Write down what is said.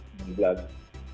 jadi kita harus berpikir